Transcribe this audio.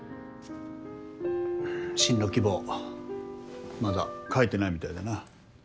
進路希望まだ書いてないみたいだな。